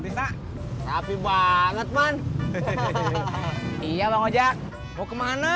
maspur tapi banget man iya bang ojak mau kemana